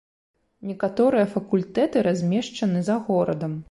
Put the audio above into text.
Некаторыя факультэты размешчаны за горадам.